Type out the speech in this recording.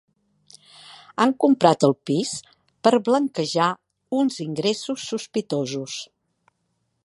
Han comprat el pis per blanquejar uns ingressos sospitosos.